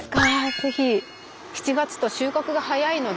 ぜひ！７月と収穫が早いので。